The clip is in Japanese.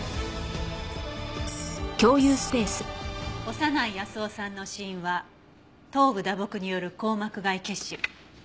長内保男さんの死因は頭部打撲による硬膜外血腫。